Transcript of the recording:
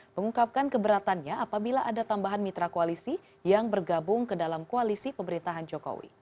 mengungkapkan keberatannya apabila ada tambahan mitra koalisi yang bergabung ke dalam koalisi pemerintahan jokowi